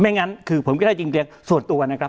งั้นคือผมก็ได้จริงส่วนตัวนะครับ